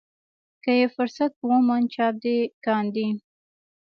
که یې فرصت وموند چاپ دې کاندي.